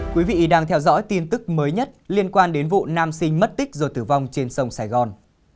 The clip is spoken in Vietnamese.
quý vị đang theo dõi tin tức mới nhất liên quan đến vụ nam sinh mất tích rồi tử vong trên sông sài gòn